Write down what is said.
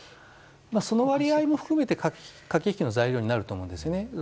その割合も含めて駆け引きの材料になると思うんですね。